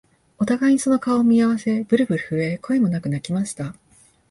お互いにその顔を見合わせ、ぶるぶる震え、声もなく泣きました